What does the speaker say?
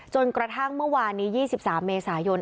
จนกระทั่งเมื่อวานนี้๒๓เมษายน